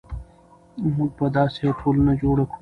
موږ به داسې یوه ټولنه جوړه کړو.